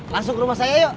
langsung ke rumah saya yuk